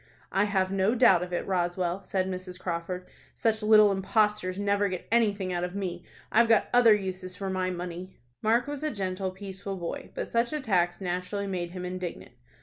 "I've no doubt of it, Roswell," said Mrs. Crawford. "Such little impostors never get anything out of me. I've got other uses for my money." Mark was a gentle, peaceful boy, but such attacks naturally made him indignant.